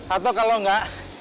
atau kalau nggak